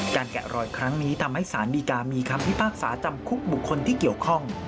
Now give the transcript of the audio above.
แกะรอยครั้งนี้ทำให้สารดีกามีคำพิพากษาจำคุกบุคคลที่เกี่ยวข้อง